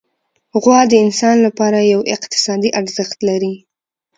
غوا د انسان لپاره یو اقتصادي ارزښت لري.